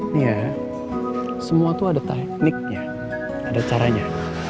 ini ya semua tuh ada tekniknya ada caranya